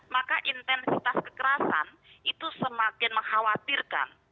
maka intensitas kekerasan itu semakin mengkhawatirkan